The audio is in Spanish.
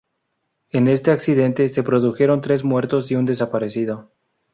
En este accidente, se produjeron tres muertos y un desaparecido.